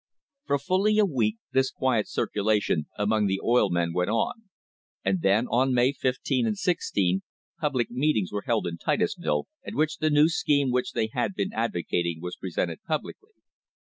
For fully a week this quiet circulation among the oil men went on, and then, on May 15 and 16, public meetings were held in Titusville, at which the new scheme which they had been advocating was presented publicly.